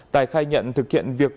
tài khai nhận thực hiện việc